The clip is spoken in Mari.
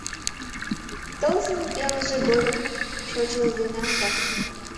Тылзын пелыже годым шочылденам да